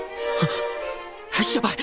やばい！